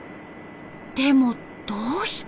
でもどうして？